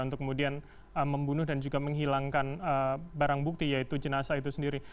untuk kemudian membunuh dan juga menghilangkan barang bukti yaitu jenazah itu sendiri